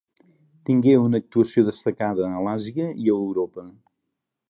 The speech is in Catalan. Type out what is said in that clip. Tingué una actuació destacada a l'Àsia i a Europa.